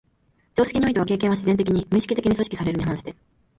常識においては経験は自然的に、無意識的に組織されるに反して、